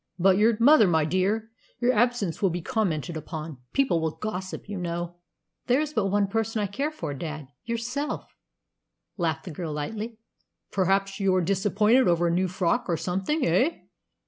"But your mother, my dear! Your absence will be commented upon. People will gossip, you know." "There is but one person I care for, dad yourself," laughed the girl lightly. "Perhaps you're disappointed over a new frock or something, eh?"